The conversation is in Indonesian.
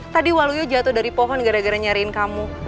tadi waluyo jatuh dari pohon gara gara nyariin kamu